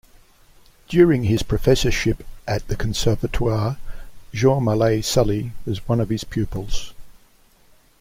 During his professorship at the Conservatoire, Jean Mounet-Sully was one of his pupils.